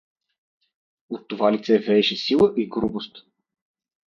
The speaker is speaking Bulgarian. От това лице вееше сила и грубост.